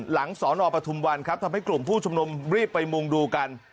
สอนอปทุมวันครับทำให้กลุ่มผู้ชุมนุมรีบไปมุงดูกัน